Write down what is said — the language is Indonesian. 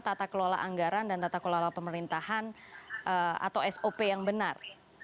tata kelola anggaran dan tata kelola pemerintahan atau sop yang benar